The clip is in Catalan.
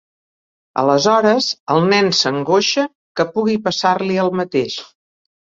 Aleshores el nen s'angoixa que pugui passar-li el mateix.